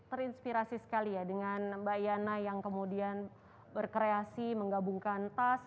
terinspirasi sekali ya dengan mbak yana yang kemudian berkreasi menggabungkan tas